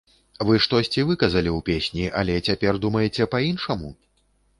Вы штосьці выказалі ў песні, але цяпер думаеце па-іншаму?